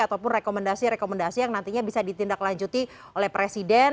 ataupun rekomendasi rekomendasi yang nantinya bisa ditindaklanjuti oleh presiden